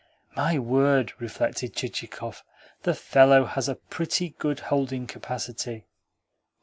"My word!" reflected Chichikov. "The fellow has a pretty good holding capacity!"